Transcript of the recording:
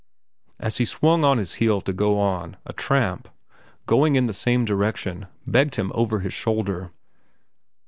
As he swung on his heel to go on, a tramp, going in the same direction, begged him over his shoulder.